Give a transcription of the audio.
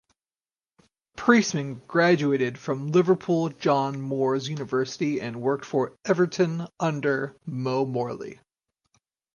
Priestman graduated from Liverpool John Moores University and worked for Everton under Mo Morley.